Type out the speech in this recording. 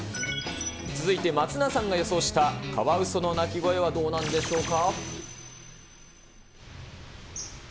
続いて松永さんが予想した、カワウソの鳴き声はどうなんでしょうか。